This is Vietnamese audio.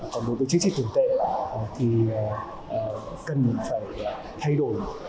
còn đối với chính sách tương tự thì cần phải thay đổi